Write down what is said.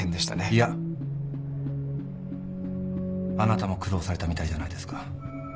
いやあなたも苦労されたみたいじゃないですか。